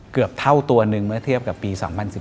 เกือบเท่าตัวหนึ่งเมื่อเทียบกับปี๒๐๑๘